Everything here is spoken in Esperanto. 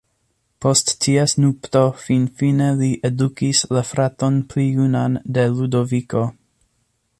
Post ties nupto finfine li edukis la fraton pli junan de Ludoviko.